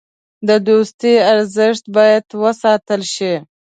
د دوستۍ ارزښت باید وساتل شي.